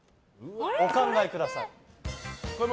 お考えください。